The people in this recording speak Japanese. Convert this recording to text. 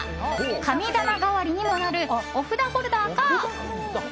神棚代わりにもなるお札ホルダーか。